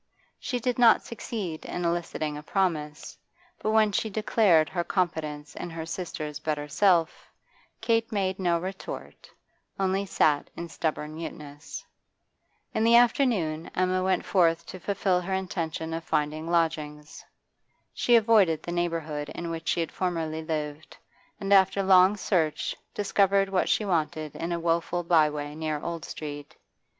She did not succeed in eliciting a promise, but when she declared her confidence in her sister's better self, Kate made no retort, only sat in stubborn muteness. In the afternoon Emma went forth to fulfil her intention of finding lodgings. She avoided the neighbourhood in which she had formerly lived, and after long search discovered what she wanted in a woful byway near Old Street.